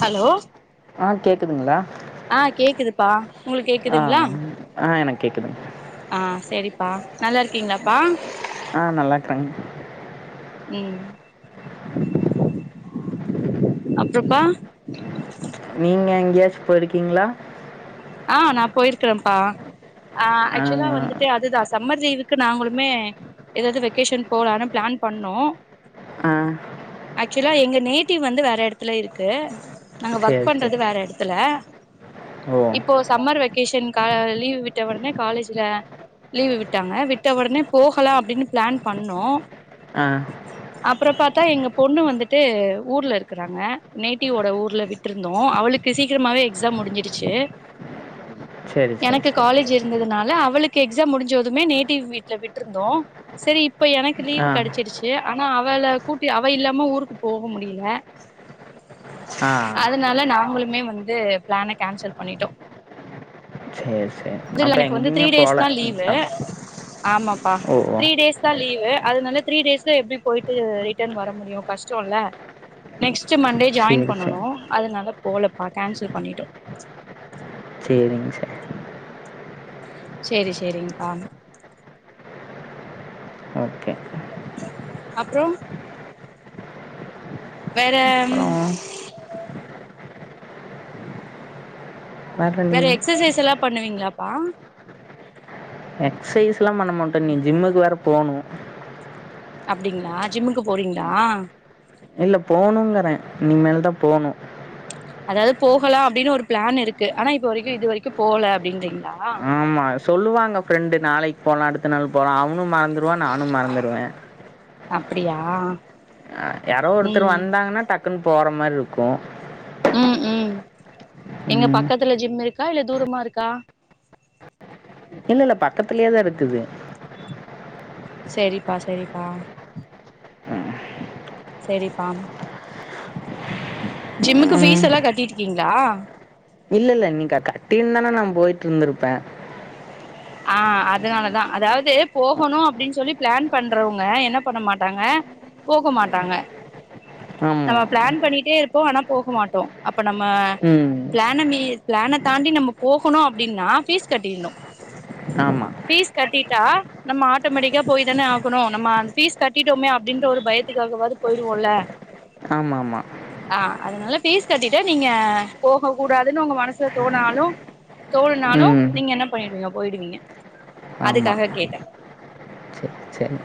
Hello ஆ கேக்குதுங்களா ஆ கேக்குதுப்பா உங்களுக்கு கேக்குதுங்களா ஆ எனக்கு கேட்குதுங்க ஆ சேரிப்பா நல்லாருக்கீங்களாப்பா ஆ நல்லாருக்கங் ம் அப்புறப்பா நீங்க எங்கேயாச்சு போயிருக்கீங்களா ஆ நான் போயிருக்கறேன்ப்பா ஆ ஆக்சுவலா வந்துட்டு அதுதா சம்மர் லீவுக்கு நாங்களுமே ஏதாவது வெக்கேஷன் போலான்னு பிளான் பண்ணோ ஆ ஆக்சுவலா எங்க நேட்டிவ் வந்து வேற எடத்துல இருக்கு நாங்க ஒர்க் சரி பண்றது சரி வேற எடத்துல ஓ இப்போ சம்மர் வெக்கேஷன் கா லீவ் விட்ட உடனே காலேஜ்ல லீவு விட்டாங்க விட்ட உடனே போகலாம் அப்டின்னு பிளான் பண்ணோம் ஆ அப்புறம் பாத்தா எங்க பொண்ணு வந்துட்டு ஊர்ல இருக்குறாங்க நேட்டிவோட ஊர்ல விட் டுருந்தோம் அவளுக்கு சீக்கிரமாவே எக்ஸாம் முடிஞ்சிருச்சு சரி சரி எனக்கு சரி காலேஜ் இருந்ததுனால அவளுக்கு எக்ஸாம் முடிஞ்சதுமே நேட்டிவ் வீட்ல விட்ருந்தோம் சேரி இப்ப எனக்கு லீவ் ஆ கெடச்சிருச்சு ஆனா அவள கூட்டி அவ இல்லாம ஊருக்கு போக முடில ஆ அதனால நாங்களுமே வந்து பிளான கேன்சல் பண்ணிட்டோம் சேர் சேர் துல்ல எனக்கு வந்து த்ரீ டேஸ் தான் லீவு ஆமாப்பா ஓ ஓ த்ரீ டேஸ் தான் லீவு அதனால த்ரீ டேஸ்ல எப்டி போயிட்டு ரிட்டர்ன் வர முடியும் கஷ்டம்ல்ல நெக்ஸ்ட்டு மண்டே ஜாயின் சரி சரி பண்ணணும் அதனால போகலப்பா கேன்சல் பண்ணிட்டோம் சேரிங்க ச சேரி சேரிங்கப்பா ஓகே அப்புறம் வேற ம் அப்புறம் வேறு வேற நீங்கள் எக்ஸசைஸ்ல்லாம் பண்ணுவீங்களாப்பா எக்ஸசைஸ்ல்லாம் பண்ண மாட்டேன் இனி ஜிம்முக்கு வேற போணு அப்டிங்களா ஜிம்முக்கு போறீங்களா இல்ல போணுங்கற இனி மேல்தான் போணும் அதாவது போகலா அப்டின்னு ஒரு பிளான் இருக்கு ஆனா இப்ப வரைக்கும் இது வரைக்கும் போகல அப்டின்றீங்களா ஆமா சொல்லுவாங்க ஃப்ரெண்டு நாளைக்கு போலாம் அடுத்த நாள் போலாம் அவனும் மறந்துடுவான் நானும் மறந்துடுவே அப்டியா அ யாரோ ஒருத்தர் ம் வந்தாங்கன்னா டக்குன்னு போற மாரி இருக்கும் ம் ம் எங்க ம். பக்கத்துல ஜிம் இருக்கா இல்ல தூரமா இருக்கா இல்ல இல்ல பக்கத்துலயே தான் இருக்குது சேரிப்பா சேரிப்பா சேரிப்பா ஜிம்முக்கு ம். பீஸ் எல்லா கட்டிருக்கீங்களா இல்ல இல்ல நீ க க கட்டிருந்தன நா போயிட்டு இருந்திருப்பேன் ஆ அதனாலதான் அதாவது போகணும் அப்டின்னு சொல்லி பிளான் பண்றவுங்க என்ன பண்ண மாட்டாங்க போக மாட்டாங்க ஆமா. நம்ம பிளான் பண்ணிட்டே இருப்போ ஆனா போக மாட்டோம் அப்ப நம்ம ம். பிளான மீ பிளான தாண்டி நம்ம போகணும் அப்டின்னா ஃபீஸ் கட்டிரனும் ஆமா கட்டிட்டா நம்ம ஆட்டோமேட்டிக்கா போய் தான ஆகணும் நம்ம அந்த ஃபீஸ் கட்டிட்டோமே அப்படின்ற ஒரு பயத்துக்காகவாவது போயிடுவோல ஆமா ஆமா ஆ அதனால ஃபீஸ் கட்டிட்டு நீங்க போக கூடாதுன்னு உங்க மனசுல தோணாலும் தோனுனாலும் ம். நீங்க என்ன பண்ணிடுவீங்க போயிடுவீங்க அதுக்காக கேட்டே சேரி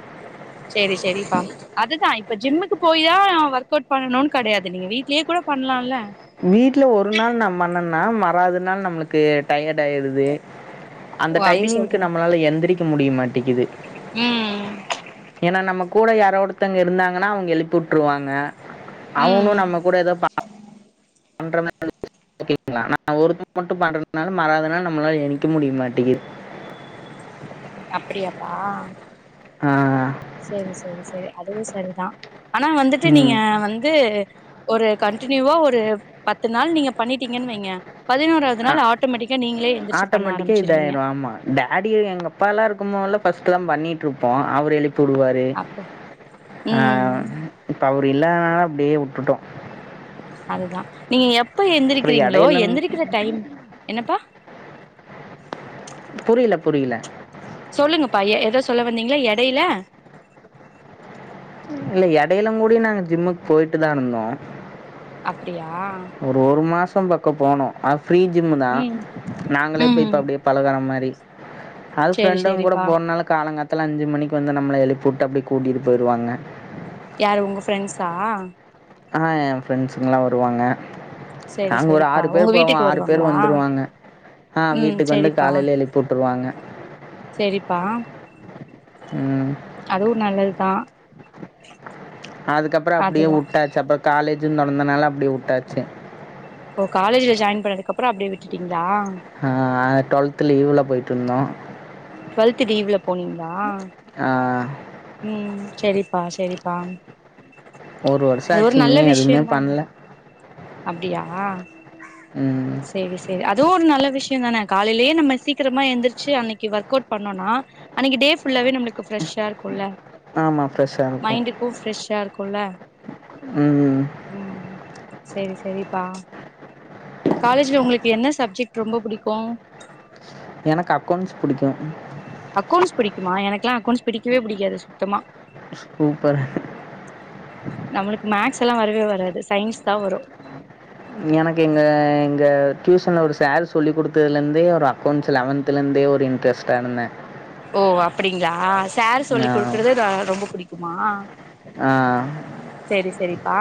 சேரி சேரிப்பா அதுதான் இப்ப ஜிம்முக்கு போய் தான் ஒர்க் அவுட் பண்ணணும்னு கெடையாது நீங்க வீட்லயே கூட பண்ணலாம்ல வீட்டுல ஒரு நாள் நா பண்ணன்னா மராது நாள் நம்மளுக்கு டயர்ட் ஆயிடுது அந்த ஓ அப்டி டைமிங்க்கு நம்மளால எந்திரிக்க முடிய மாட்டிக்குது உம் ஏன்னா நம்ம கூட யாரோ ஒருத்தவங்க இருந்தாங்கன்னா அவுங்க எழுப்பி விட்டுருவாங்க ம் அவுங்களும் நம்ம கூட ஏதோ ஓகேங்களா நா ஒருத்தன் மட்டும் பண்றதுனால மராது நாள் நம்மளால ஏந்திரிக்க முடிய மாட்டேங்குது அப்படியாப்பா ஆ ஆ சேரி சேரி சேரி அதுவும் சரிதான் ஆனா வந்துட்டு நீங்க ம். வந்து ஒரு கண்டினியூவா ஒரு பத்து நாள் நீங்க பண்ணிட்டீங்கன்னு வைங்க பதினோராவது நாள் ஆட் ஆட்டோமேட்டிக்கா நீங்களே எந்திருச்சு பண்ண ஆரமிச்சுருவீங்க டேடியே எங்க அப்பாலாம் இருக்கும் போதுலாம் ஃபர்ஸ்ட் தான் பண்ணிகிட்டுருப்போம் அவரு எழுப்பி வுடுவாரு அப்டி அது ம் ஆ இப்ப அவரு இல்லாதனால அப்படியே வுட்டுட்டோம் அதுதான் நீங்க எப்ப அப்புறம் எந்திரிக்கிறீங்களோ இடையில எந்திரிக்கிற டைம் என்னப்பா புரியல புரியல சொல்லுங்கப்பா ஏ ஏதோ சொல்ல வந்தீங்கள எடையில இல்ல எடையிலம் கூடி நாங்க ஜிம்முக்கு போயிட்டு தான் இருந்தோம் அப்படியா ஒரு ஒரு மாசம் பக்கம் போனோம் அனா ஃப்ரீ ஜிம்மு தான் ம் நாங்களே போய் இப்ப அப்படியே பழகற மாரி அது செரி ஃப்ரெண்டுங்க கூட செரிப்பா போறதுனால காலங்காத் தால அஞ்சு மணிக்கு வந்து நம்மள எழுப்புட்டு அப்டியே கூட்டிட்டு போய்ருவாங்க யாரு உங்க ஃப்ரெண்ட்ஸா ஆ என் ஃப்ரெண்ட்ஸ்ங்கலா வருவாங்க செரி நாங்க ஒரு செரிப்பா ஆறு உங்க பேர் போவோ வீட்டுக்கு ஆறு பேர் வருவாங்களா வந்துருவாங்க ஆ ம் வீட்டுக்கு வந்து காலைல எழுப்பி வுட்ருவாங்க சேரிப்பா ம் அதுவு நல்லதுதா அதுக்கப்றோ அப்டியே அதுதா வுட்டாச்சு அப்றோ காலேஜு தொறந்தனால அப்டியே வுட்டாச்சு ஓ காலேஜ்ல ஜாயின் பண்ணதுக்கு அப்றோ அப்டியே விட்டுட்டீங்களா ஆ டுவல்த்து லீவ்ல போய்ட்டு இருந்தோ டு்வெல்த் லீவ்ல போனீங்களா ஆ உம் சேரிப்பா சேரிப்பா ஒரு வருஷம் அது ஒரு ஆச்சு நல்ல இன்னும் எதுவுமே விஷ்யந்தானே பண்ணல அப்டியா உம் சேரி சேரி அதுவு ஒரு நல்ல விஷ்யந்தான காலைலே நம்ம சீக்கிரமா எந்திருச்சு அன்னைக்கு ஒர்க் ஒர்க் அவுட் பண்ணோனா அன்னைக்கு டே ஃபுல்லாவே நம்ளுக்கு ஃப்ரெஷ்ஷா இருக்குல ஆமா ஃப்ரெஷ்ஷா இருக்கு எப்போவ் ஃப்ரெஷ்ஷா இருக்குல்ல உம் உம் சேரி சேரிப்பா காலேஜ்ல உங்ளுக்கு என்ன சப்ஜெக்ட் ரொம்ப புடிக்கு எனக் அக்கௌண்ட்ஸ் புடிக்கு அக்கௌண்ட்ஸ் புடிக்குமா எனக்கெலா அக்கௌண்ட்ஸ் புடிக்கவே புடிக்காது சுத்தமா சூப்பர் நம்மளுக்கு மேக்ஸ் எல்லா வரவே வராது சயின்ஸ் தா வரு எனக்கு எங்க எங்க டியூஷன்ல ஒரு சார் சொல்லிக் கொடுத்ததுலருந்தே ஒரு அக்கௌண்ட்ஸ் லெவன்த் த்துலருந்தே ஒரு இன்ட்ரெஸ்டா இருந்தே ஓ அப்டிங்ளா சேர் சொல்லி குடுக்குறது ரொம்ப புடிக்குமா ஆ சரி சரிப்பா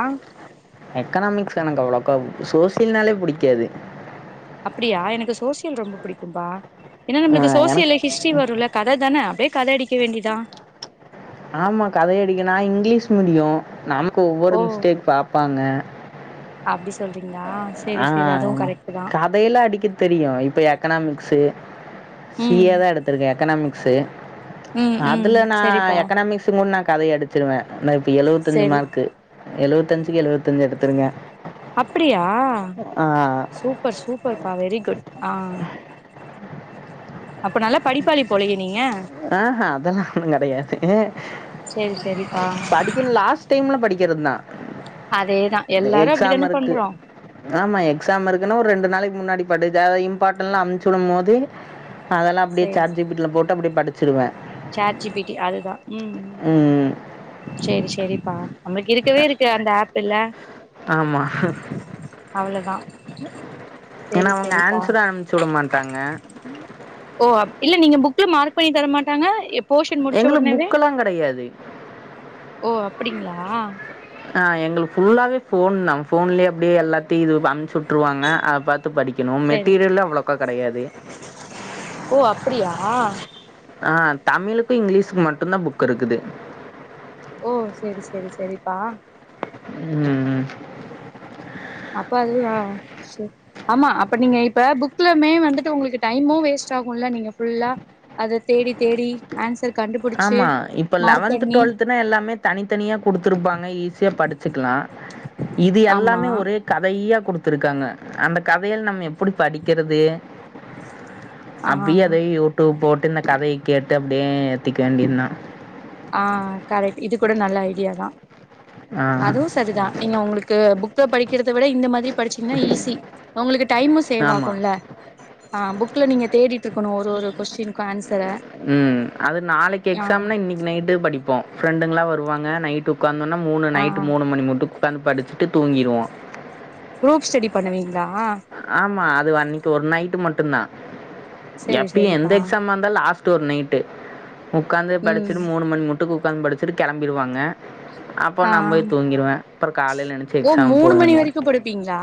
எக்கனாமிக்ஸ் எனக் அவ்ளோக்கா சோசியல்னாலே புடிக்காது அப்டியா எனக்கு சோசியல் ரொம்ப புடிக்கும்பா ஏனா நம்ளுக்கு எனக்கு சோசியல்ல ஹிஸ்ட்ரி வருல கததான அப்டியே கத அடிக்க வேண்டிதா ஆமா கதை அடிக்க நா இங்கிலீஷ் மீடியோ நமக் ஒவ்வொரு ஓ மிஸ்டேக் பாப்பாங்க அப்டி சொல்றீங்ளா சேரி சேரி அதுவு கரெக்ட்டு தா கதையெல்லா அடிக்க தெரியு இப்ப எக்கனாமிக்ஸு சி ம் ஏ தா எடுத்துருக்கே எக்கனாமிக்ஸு ம் ம் அதுல நா செரிப்பா எக்கனாமிக்ஸ கூட நா கதை அடிச்சிருவே நா இப்ப எழுவத்தஞ்சு செரி மார்க்கு எழுவத்தஞ்சுக்கு எழுவத்தஞ்சு எடுத்திருங்க அப்டியா ஆ அ சுப்பர் சூப்பர் பா வெரி குட் ஆ அப்ப நல்லா படிப்பாளி போலயே நீங்க ஆ ஹா அதெல்லா ஒண்ணு கெடையாது செரி செரிப்பா படிக்கணு லாஸ்ட் டைம்ல படிக்றது தா அதேதா எல்லாரு அப்டித்தானே பண்றோ ஆமா எக்ஸாம் இருக்குன்னா ஒரு ரெண்டு நாளைக் முன்னாடி படுஜா இம்பாட்டன்லா அமுச்சுடும் போது அதெல்லா அப்டியே செரி சாட் ஜி பி டி ல போட்டு அப்டியே படிச்சிடுவே சாட் ஜி பி டி அதுதா உம் ம். சேரி சேரிப்பா நம்ளுக் இருக்கவே இருக்கு அந்த ஆப் பில்ல ஆமா அவ்ளோதா ஏன்னா சேரி அவங்க சேரிப்பா ஆன்சர அனுப்சுட மாட்டாங்க ஓ அப் இல்ல நீங்க புக்ல மார்க் பண்ணி தர மாட்டாங்க எ போஷன் முடிச்சவுடனவே [unintelligible] கெடையாது ஓ அப்டிங்ளா ஆ எங்கள்க்கு ஃபுல்லாவே ஃபோன்தா ஃபோன்லயே அப்டியே எல்லாத்தியு இது அம்ச்சுட்ருவாங்க அத பாத் த்து படிக்கணு சேரி மெட்டீரியல்லா அவ்ளோக்கா கெடையாது ஓ அப்டியா அ தமிழுக்கு இங்கிலீஷ்க்கு மட்டுந்தா புக் இருக்குது ஓ செரி செரி செரிப்பா உம்ம் அப்ப அதுவேயா சேர் ஆம்மா அப்ப நீங்க இப்ப புக்லமே வந்துட்டு உங்குளுக்கு டைமு வேஸ்ட் ஆகுல்ல நீங்க ஃபுல்லா அத தேடி தேடி ஆன்சர் கண்டுபுடுச்சு மார்க் பண்ணி னா எல்லாமே தனித்தனியா குடுத்துருப்பாங்க ஈஸியா படிச்சுக்லா இது ஆமா எல்லாமே ஒரே கதைய்யா குடுத்துருக்காங்க அந்த கதையல் நம்ம எப்டி படிக்கிறது ஆ அப்டியே ஆ அதைய் யூடூப் போட்டு இந்த கதையை கேட்டு அப்டியே ஏத்திக்க வேண்டியன்னா ஆ கரெக்ட் இது கூட நல்ல ஐடியா தா ஆ அதுவு செதிதா நீங்க உங்குளுக்கு புக்க படிக்கிறத விட இந்த மாதிரி படிச்சீங்ன்னா ஈஸி உங்குளுக்கு டைமு சேவ் ஆமா ஆகுல்ல ஆ புக்ல நீங்க தேடிட்ருக்கணு ஒரு ஒரு கொஸ்டின்க்கு ஆன்சர உம்ம் அது நாளைக் ஆ எக்ஸாம்னா இன்னிக் நைட்டே படிப்போ ஃப்ரெண்டுங்ளா வருவாங்க நைட் ட்டு உக்காந்தொன்னா மூணு ஆ நைட்டு மூணு மணி முட்டு உ க்காந்து படிச்சுட்டு தூங்கிருவோ குரூப் ஸ்டடி பண்ணுவீங்களா ஆம்மா அது வ அன்னைக்கு ஒரு நைட்டு மட்டுந்தா சேரி எப்பியு எந்த சேரிப்பா எக்ஸாமா இருந் தா லாஸ்ட்டு ஒரு நைட்டு உக்காந்து ம் படிச்சிடு மூணு மணி முட்டுக்கு உக்காந்து படிச்சிட்டு கெளம்பிடுவாங்க அப்போ ஆ நா போய் தூங்கிருவே அப்றோ காலைல் நெனச்சு ஓ எக்ஸாம் போ மூணு மணி வேண்டிதா வரைக்கு படிப்பீங்களா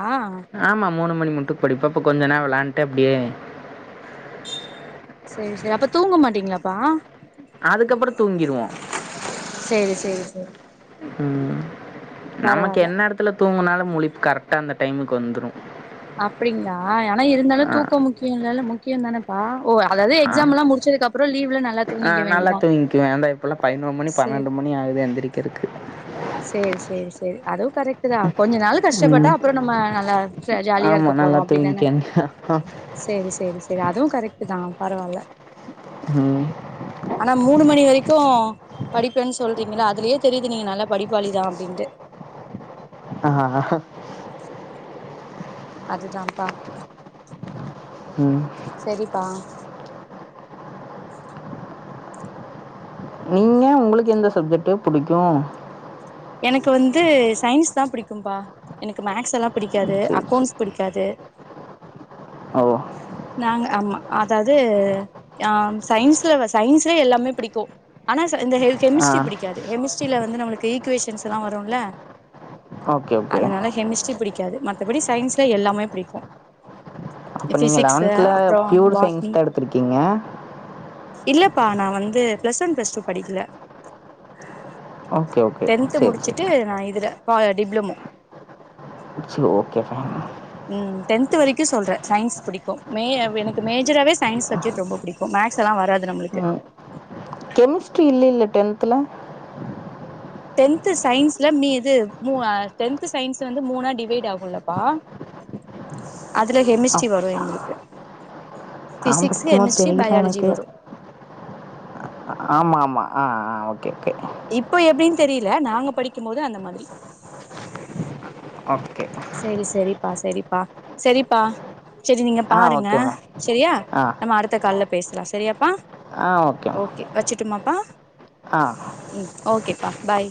ஆமா மூணு மணி முட்டு படிப்பே அப்போ கொஞ்ச நேர் வெளாண்ட்டு அப்டியே சேர் சேர் அப்ப தூங்க மாட்டீங்களாப்பா அதுக்கப்புறோ தூங்கிருவோ சேரி சேரி சேரி ம் நமக் பரவால்ல எந்நேரத்துல தூங்குனாலு முழிப் கரெக்டா அந்த டைமுக்கு வந்துரு அப்டிங்ளா எ ஆனா இருந்தாலு தூக்க முக்கியோ இல்லல்ல முக்கியந்தானே ஆ ஓ அதாவது ஆ எக்ஸாமல்லா முடிச்சதுக் அப்றோ லீவ்ல நல்லா ஆ தூங்கிக்க நல்லா வேண்டிதா தூங்கிக்குவே அதா இப்பல்லா பதினோரு மணி சேர் பன்னெண்டு மணி ஆகுது எந்திருக்கற்கு சேரி சேரி சேரி அதுவு கரெக்ட்டு தா கொஞ்ச நாளுக் கஷ்டப்பட்டா ம் அப்றோ நம்ம நல்லா ஜ ஜாலியா ஆமா இருக்க நல்லா போறோ அப்டிதான தூங்கிக்க சேரி சேரி சேரி அதுவு கரெக்ட்டு தா பரவால்ல உம் ஆனா மூணு மணி வரைக்கு படிப்பேன் சொல்றீங்க்ளே அதுலயே தெரியுது நீங்க நல்லா படிப் வழிதா அப்டின்ட்டு ஆ ஹ ஆ ஹ அதுதாப்பா ம் சரிப்பா நீங்க உங்ளுக்கு எந்த சப்ஜெக்ட் புடிக்கு எனக்கு வந்து சயின்ஸ் தா பிடிக்கும்பா எனக்கு மேக்ஸ் எல்லா பிடிக்காது சேரி சேரி அக்கௌண்ட்ஸ் பிடிக்கு அது ஓ நாங்க ஆமா அதாது அ சயின்ஸ்ல சயின்ஸ்லே எல்லாமே பிடிக்கு ஆனா ச இந்த கெ ஆ கெமிஸ்ட்ரி பிடிக்காது கெமிஸ்ட்ரில வந்து நம்ளுக்கு ஈக் க்குவேஷன்ஸ்லா வருல்ல ஓகே ஓகே அதுனால கெமிஸ்ட்ரி பிடிக்காது மத் தபடி சயின்ஸ்ல எல்லாமே பிடிக்கு அப்ப நீங்க பிசிக்ஸ்சு லெவன்த்ல அப்றோ பியூர் சயின்ஸ் பாட்னி தா எடுத்திருக்கீங்க இல்லைப்பா நா வந்து ப்ளஸ் ஒ ப்ளஸ் டூ படிக்ல ஓகே ஓ டென்து முடிச்சுட்டு நா இதுல பா டிப்ளமோ சரி ஓகே ஃபைன் ம் டென்த் வரைக்கு சொல்றே சயின்ஸ் புடிக்கு மே எனக் மேஜராவே சயின்ஸ் சப்ஜெக்ட் ரொம்ப புடிக்கு அப்ப மேக்ஸ் எல்லா வராது நம்மளுக்கு ஆ கெமிஸ்ட்ரி இல்லேல்ல டென்த்ல டென்து சயின்ஸ்ல மீ இது மூ டென்து சயின்ஸ் வந்து மூணா டிவைடு ஆகுலப்பா [inaudible] அதுல கெமிஸ்ட்ரி வரு அப்டியா எங்ளுக்கு நா பிசிக்ஸ் படிக்கும்போது கெமிஸ்ட்ரி தெரியல பயாலஜி வரு ஆம்மாமா ஆ ஆ ஓகே ஓகே இப்ப எப்டின்னு தெரில நாங்க படிக்கும் போது அந்த மாதிரி அப்ப கே சரி சரிப்பா சரிப்பா சரிப்பா சரி நீங்க ஆ பாருங்க ஓகேம்மா சரியா ஆ நம்ம அடுத்த கால்ல பேஸ்லா சரியாப்பா ஆ ஓகேம்மா ஓகே வச்சுட்டுமாப்பா ஆ ம் ஓகேப்பா பாய்